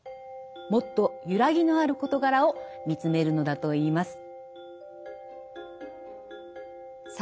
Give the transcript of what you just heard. もっと揺らぎのある事柄を見つめるのだといいます。